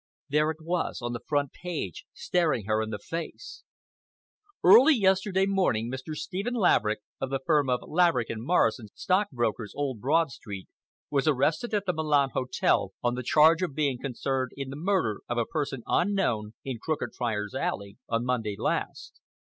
There it was on the front page—staring her in the face: Early yesterday morning Mr. Stephen Laverick, of the firm of Laverick & Morrison, Stockbrokers, Old Broad Street, was arrested at the Milan Hotel on the charge of being concerned in the murder of a person unknown, in Crooked Friars' Alley, on Monday last.